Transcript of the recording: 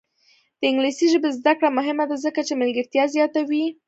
د انګلیسي ژبې زده کړه مهمه ده ځکه چې ملګرتیا زیاتوي.